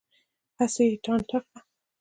هسې یې ټانټه کړه.